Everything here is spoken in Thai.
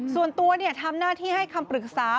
ส่วนตัวทำหน้าที่ให้คำปรึกษา